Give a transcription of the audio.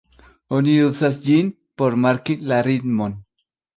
Oni uzas ĝin por marki la ritmon.